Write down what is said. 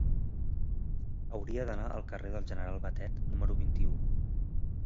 Hauria d'anar al carrer del General Batet número vint-i-u.